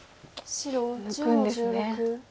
抜くんですね。